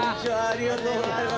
ありがとうございます